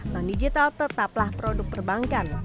bank digital tetaplah produk perbankan